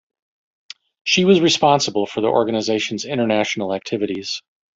She was responsible for the organisation's international activities.